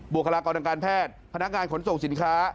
บวกฮารากรดังการแพทย์พนักงานขนส่งสินค้า